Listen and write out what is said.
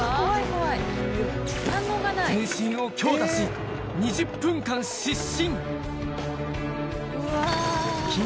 全身を強打し、２０分間失神。